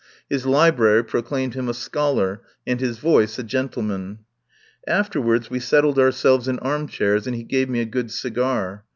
His library proclaimed him a scholar, and his voice a gentleman. Afterwards we settled ourselves in arm chairs and he gave me a good cigar.